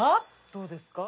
どうですか？